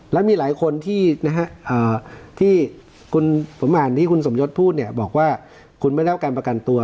แล้วมีหลายคนที่ผมอ่านที่คุณสมยศพูดเนี่ยบอกว่าคุณไม่ได้รับการประกันตัว